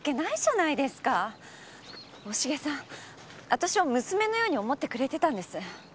私を娘のように思ってくれてたんです。